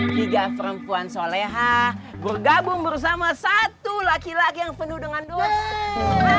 tiga perempuan soleha bergabung bersama satu laki laki yang penuh dengan dosa